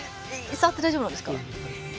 触って大丈夫なんですか？